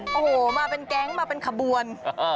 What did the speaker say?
โอ้โหมาเป็นแก๊งมาเป็นขบวน